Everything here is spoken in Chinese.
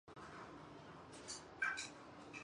黄晦卿是广平丽水人。